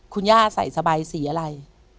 คุณย่าใส่สบายสีอะไร